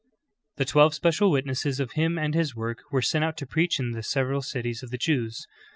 "^' The twelve special witnesses of Him and His work v/ere sent out to preach in the several cities of the Jews.